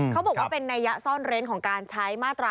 เขาบอกว่าเป็นนัยยะซ่อนเร้นของการใช้มาตรา๑